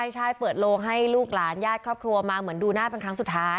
ใช่เปิดโลงให้ลูกหลานญาติครอบครัวมาเหมือนดูหน้าเป็นครั้งสุดท้าย